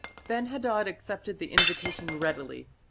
Ben hadad accepted the invitation readily.